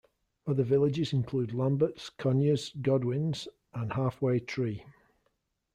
Other villages include Lamberts, Conyers, Godwin's and Half Way Tree.